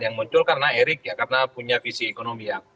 yang muncul karena erik ya karena punya visi ekonomi